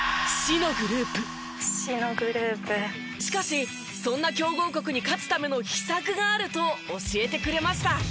「死のグループ」しかしそんな強豪国に勝つための秘策があると教えてくれました。